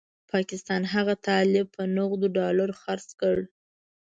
پاکستان هغه طالب په نغدو ډالرو خرڅ کړ.